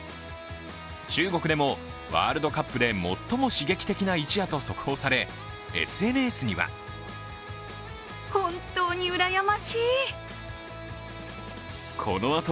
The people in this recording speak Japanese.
中国でも、ワールドカップで最も刺激的な一夜と速報され、ＳＮＳには更に、こんな話題も。